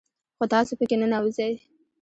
خو تاسو په كي ننوځئ